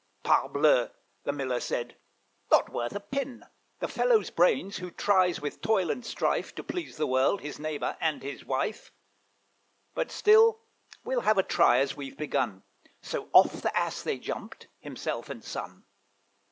'Parbleu!' the Miller said, 'not worth a pin The fellow's brains who tries with toil and strife To please the world, his neighbour, and his wife. But still we'll have a try as we've begun:' So off the Ass they jumped, himself and son.